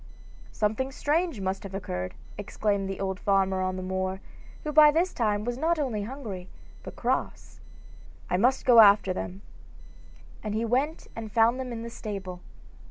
'Something strange must have occurred,' exclaimed the old farmer on the moor, who by this time was not only hungry, but cross. 'I must go after them.' And he went and found them in the stable.